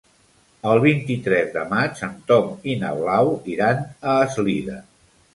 El vint-i-tres de maig en Tom i na Blau iran a Eslida.